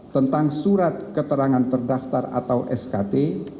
tentang surat keterangan terdaftar atau skt